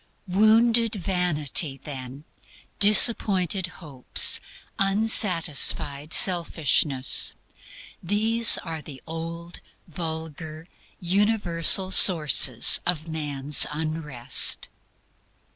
Wounded vanity, then, disappointed hopes, unsatisfied selfishness these are the old, vulgar, universal SOURCES OF MAN'S UNREST.